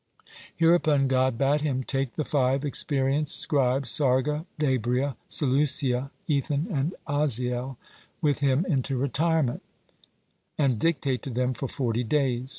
Hereupon God bade him take the five experienced scribes, Sarga, Dabria, Seleucia, Ethan, and Aziel, with him into retirement, and dictate to them for forty days.